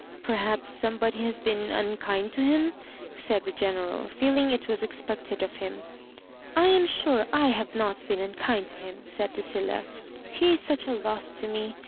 "Perhaps somebody has been unkind to him," said the General, feeling it was expected of hina. *' I am sure / have not been unfcind to him," said Lucilla. '* He is such a loss to me.